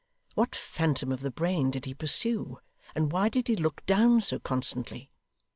What phantom of the brain did he pursue; and why did he look down so constantly?